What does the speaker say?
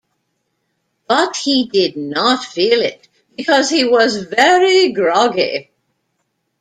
But he did not feel it, because he was very groggy.